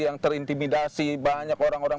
yang terintimidasi banyak orang orang